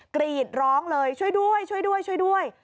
กรีดร้องเลยช่วยด้วย